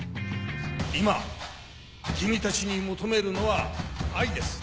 今君たちに求めるのは愛です